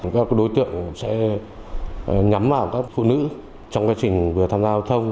các đối tượng sẽ nhắm vào các phụ nữ trong quá trình vừa tham gia giao thông